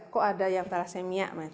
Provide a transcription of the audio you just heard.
kok ada yang thalassemia